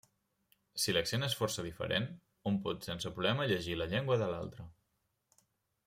Si l'accent és força diferent, hom pot sense problema llegir la llengua de l'altre.